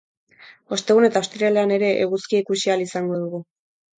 Ostegun eta ostiralean ere eguzkia ikusi ahal izango dugu.